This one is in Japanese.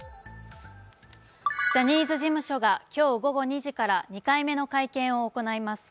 ジャニーズ事務所が今日午後２時から２回目の会見を行います。